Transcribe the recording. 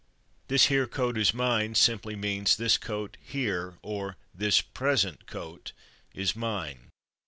"/This here/ coat is mine" simply means "this coat, /here/, or this /present/ coat, is mine."